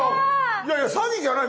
いやいや詐欺じゃない。